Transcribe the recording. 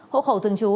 hộ khẩu thường chú